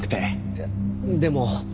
いやでも。